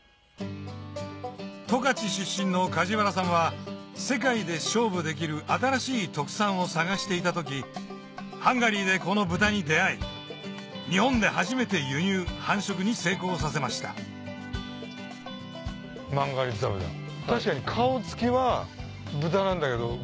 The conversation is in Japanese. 十勝出身の梶原さんは世界で勝負できる新しい特産を探していた時ハンガリーでこの豚に出合い日本で初めて輸入繁殖に成功させましたマンガリッツァ豚確かに。